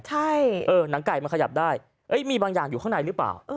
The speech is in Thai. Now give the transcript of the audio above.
ใช่เออหนังไก่มันขยับได้มีบางอย่างอยู่ข้างในหรือเปล่า